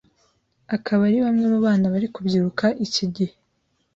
akaba ari bamwe mu bana bari kubyiruka iki gihe